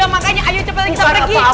makanya ayo cepet kita pergi